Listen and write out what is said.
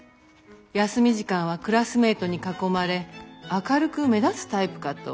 休み時間はクラスメートに囲まれ明るく目立つタイプかと。